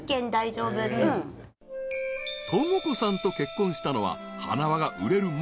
［智子さんと結婚したのははなわが売れる前。